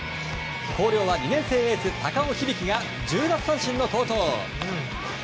広陵は２年生エース高尾響が１０奪三振の好投。